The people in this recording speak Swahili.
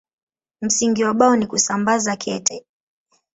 Msingi wa Bao ni kusambaza kete.